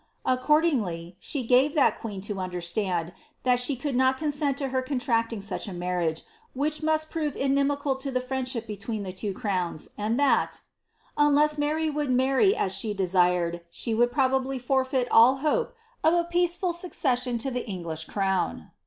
Accordingly, she gan that queen to understand that she coul<l not consent lo her contnctitij such a marriage, which must prove inimical lo the friendship belweei the two crowns, and that, " unless Mary would marry as she desired she would probably forfeit all hope of a peaceful succession lo the Eog liah crown."